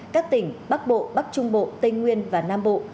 các tỉnh bắc bộ bắc trung bộ tây nguyên và nam bộ